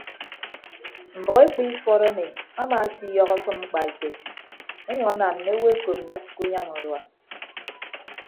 Mbʌk ekpu ifọt emi amaasiyọhọ afịm mkpaeto ọnyʌñ anam mme owo ekop ndịk ke unyam urua.